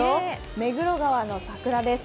目黒川の桜です。